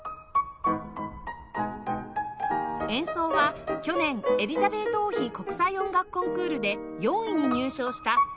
演奏は去年エリザベート王妃国際音楽コンクールで４位に入賞したピアニスト阪田知樹さん